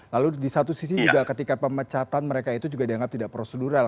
lalu di satu sisi juga ketika pemecatan mereka itu juga dianggap tidak prosedural